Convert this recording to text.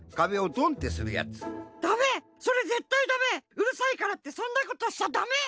うるさいからってそんなことしちゃダメ！